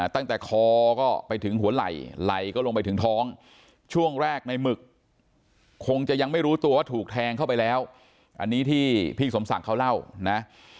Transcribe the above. ตั้งแต่คอก็ไปถึงหัวไหล่ไหล่ก็ลงไปถึงท้องช่วงแรกในหมึกคงจะยังไม่รู้ตัวว่าถูกแทงเข้าไปแล้วอันนี้ที่พี่สมศักดิ์เขาเล่านะ